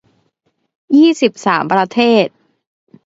ยี่สิบสาม ประเทศ